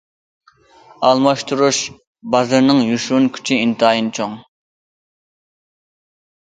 ئالماشتۇرۇش بازىرىنىڭ يوشۇرۇن كۈچى ئىنتايىن چوڭ.